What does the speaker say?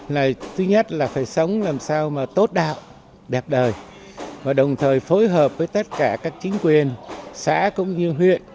là thứ nhất là phải sống làm sao mà tốt đạo đẹp đời và đồng thời phối hợp với tất cả các chính quyền xã cũng như huyện